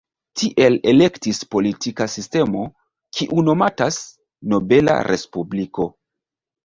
Tiel ekestis politika sistemo, kiu nomatas "nobela respubliko".